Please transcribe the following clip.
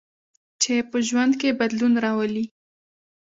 چې په ژوند کې بدلون راولي.